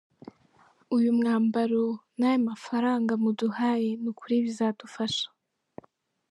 Uyu mwambaro n’aya mafaranga muduhaye ni ukuri bizadufasha.